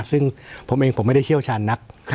ซึ่งผมเองผมไม่ได้เชี่ยวชาญนัก